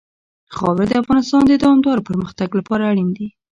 خاوره د افغانستان د دوامداره پرمختګ لپاره اړین دي.